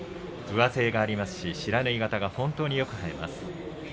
上背がありますし不知火型が本当によく映えます。